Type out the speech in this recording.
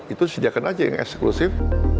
itu sediakan aja yang eksklusif